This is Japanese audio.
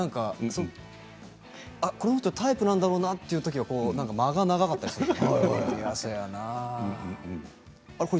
この人タイプなんだろうなという時は間が長かったりするのでね。